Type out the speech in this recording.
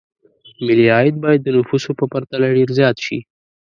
ملي عاید باید د نفوسو په پرتله ډېر زیات شي.